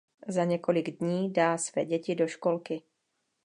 Za několik dní dá své děti do školky.